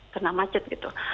kena macet gitu